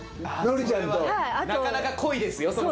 なかなか濃いですよ